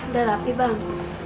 udah rapi bang